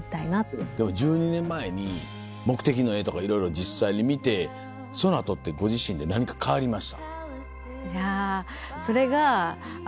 でも１２年前に目的の絵とかいろいろ実際に見てその後ってご自身で何か変わりました？